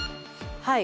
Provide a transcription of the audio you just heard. はい。